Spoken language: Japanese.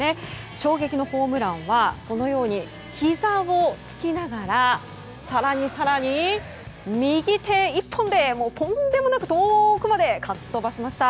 衝撃のホームランはこのようにひざをつきながら更に更に、右手１本でとんでもなく遠くまでかっ飛ばしました。